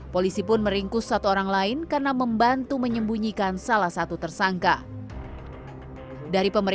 polisi pun mengungkap kedua tersangka di ringkus di lebak banten dan di wilayah kabupaten bogor pada senin dinihari